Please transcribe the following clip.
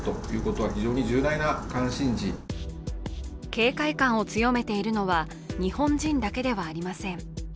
警戒感を強めているのは、日本人だけではありません。